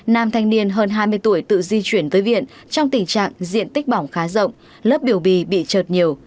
nam thanh niên hơn hai mươi tuổi tự di chuyển tới viện trong tình trạng diện tích bỏng khá rộng lớp biểu bì bị trượt nhiều